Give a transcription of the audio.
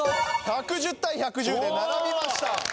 １１０対１１０で並びました！